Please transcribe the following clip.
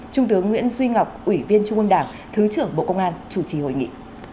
trung tướng nguyễn duy ngọc ủy viên trung ương đảng thứ trưởng bộ công an chủ trì hội nghị